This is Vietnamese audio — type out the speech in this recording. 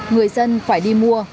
người dân phải đi mua